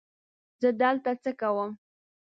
زه دلته څه کوم؟